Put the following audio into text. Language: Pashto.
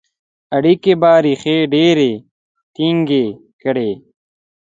اړیکي به ریښې ډیري ټینګي کړي.